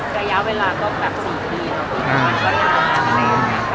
แต่ยาวเวลาก็แบบสุดที่